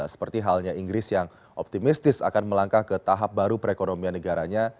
seperti halnya inggris yang optimistis akan melangkah ke tahap baru perekonomian negaranya